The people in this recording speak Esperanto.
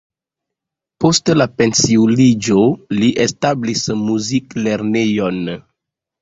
Post la pensiuliĝo li establis muziklernejon.